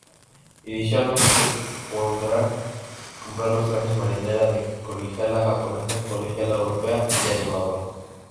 Inicialmente se podrá comprar los trajes marinera de colegiala japonesa, colegiala europea y animadora.